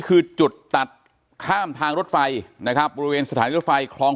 คือจุดตัดข้ามทางรถไฟนะครับบริเวณสถานีรถไฟคลอง